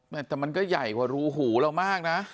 แต่มันก็ใหญ่กว่ารูหูเรามากนะ